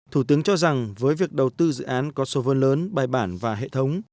thủ tướng cho rằng với việc đầu tư dự án có số vốn lớn bài bản và hệ thống